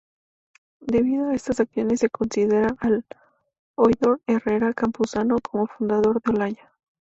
Debido a estas acciones se considera al Oidor Herrera Campuzano como fundador de Olaya.